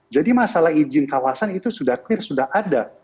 jadi masalah izin kawasan itu sudah clear sudah ada